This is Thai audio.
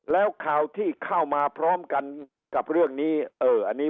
แล้วข่าวที่เข้ามาพร้อมกันกับเรื่องนี้